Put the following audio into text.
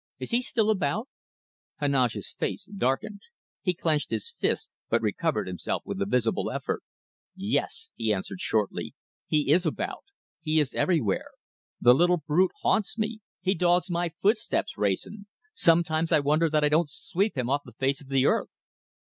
Is he about still?" Heneage's face darkened. He clenched his fist, but recovered himself with a visible effort. "Yes!" he answered shortly, "he is about. He is everywhere. The little brute haunts me! He dogs my footsteps, Wrayson. Sometimes I wonder that I don't sweep him off the face of the earth."